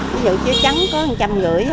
ví dụ chiếu trắng có một trăm linh gửi